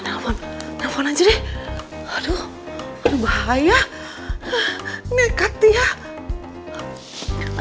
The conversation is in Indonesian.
telepon telepon aja deh aduh aduh bahaya nekat ya